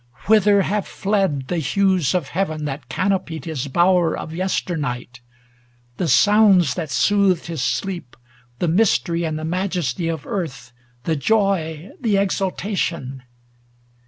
Whither have fled The hues of heaven that canopied his bower Of yesternight ? The sounds that soothed his sleep, The mystery and the majesty of Earth, The joy, the exultation